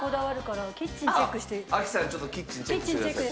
ちょっとキッチンチェックしてください。